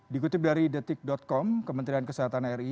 dikutip dari detik com kementerian kesehatan ri